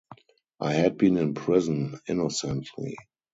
I had been in prison innocently.